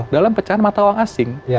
dalam pecahan mata uang asing